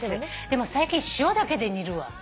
でも最近塩だけで煮るわ。